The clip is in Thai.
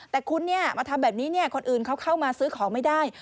แต่คุณมาทำแบบนี้คนอื่นเขาเข้ามาซื้อของไม่ได้